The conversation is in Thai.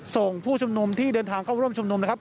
ผู้ชุมนุมที่เดินทางเข้าร่วมชุมนุมนะครับ